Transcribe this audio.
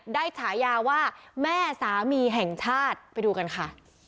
ฉายาว่าแม่สามีแห่งชาติไปดูกันค่ะ